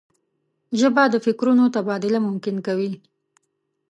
ژبه د فکرونو تبادله ممکن کوي